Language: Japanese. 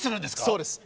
そうです。